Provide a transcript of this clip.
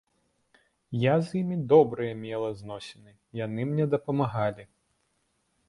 Я з імі добрыя мела зносіны, яны мне дапамагалі.